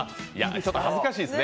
ちょっと恥ずかしいですね。